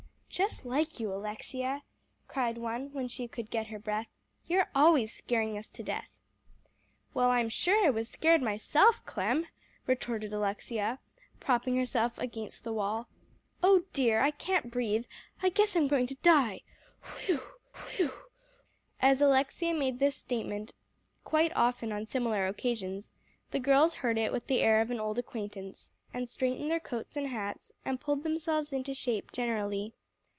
"Just like you, Alexia," cried one when she could get her breath, "you're always scaring us to death." "Well, I'm sure I was scared myself, Clem," retorted Alexia, propping herself against the wall. "Oh dear! I can't breathe; I guess I'm going to die whew, whew!" As Alexia made this statement quite often on similar occasions, the girls heard it with the air of an old acquaintance, and straightened their coats and hats, and pulled themselves into shape generally.